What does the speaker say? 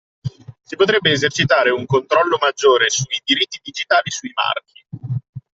Si potrebbe esercitare un controllo maggiore sui diritti digitali sui marchi.